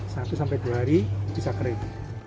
satu sampai dua hari bisa kering